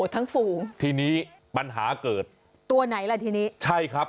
ฝูงทีนี้ปัญหาเกิดตัวไหนล่ะทีนี้ใช่ครับ